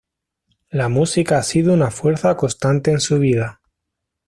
La música ha sido una fuerza constante en su vida.